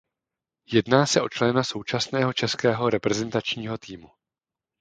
Jedná se o člena současného českého reprezentačního týmu.